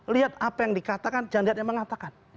lihat apa yang dikatakan jangan lihat yang mengatakan